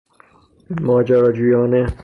ماجراجویانه